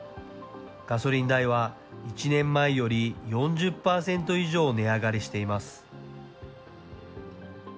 ガソリン代は１年前より４０％以上値上がりしています。